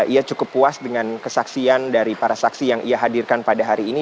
ia cukup puas dengan kesaksian dari para saksi yang ia hadirkan pada hari ini